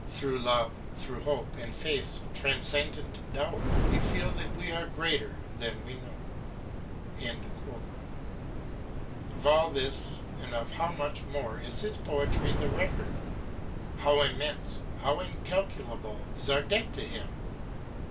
Through love, through hope and faith's transcendent dower. We feel that we are greater than we know. Of all this and of how much more is his poetry the record. How immense, how incalculable is our debt to him